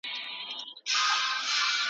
تاسو د غريبانو مرسته جاري وساتئ.